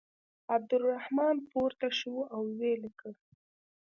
عبدالرحمانه پورته شه او ولیکه.